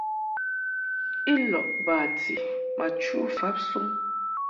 I lɔʼ bati ma chu fabsuŋ.